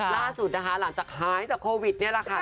ล่าสุดนะคะหลังจากหายจากโควิดนี่แหละค่ะ